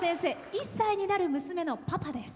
１歳になる娘のパパです。